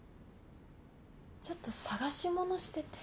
ちょっと探し物してて。